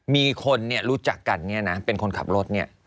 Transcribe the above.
มีคนเนี่ยรู้จักกันเนี่ยนะเป็นคนขับรถเนี่ย